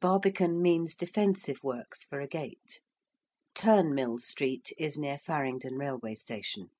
Barbican means defensive works for a gate. ~Turnmill Street~ is near Farringdon railway station.